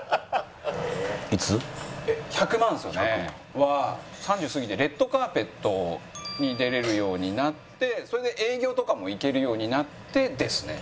は３０過ぎて『レッドカーペット』に出られるようになってそれで営業とかも行けるようになってですね。